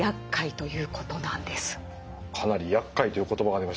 かなりやっかいという言葉が出ました。